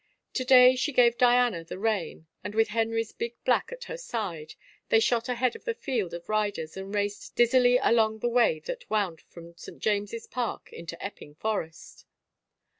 To day she gave Diana the rein and with Henry's big black at her side they shot ahead of the field of riders and raced dizzily along the way that wound from St. James' Park into Epping forest.